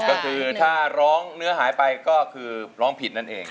ก็คือถ้าร้องเนื้อหายไปก็คือร้องผิดนั่นเอง